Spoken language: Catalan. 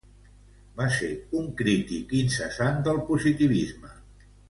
Va ser un crític incessant del positivisme.